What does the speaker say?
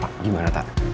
tak gimana tak